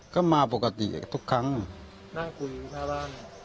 ก็มาปกติทุกครั้งนั่งคุยทางบ้าน